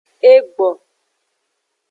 Egbo.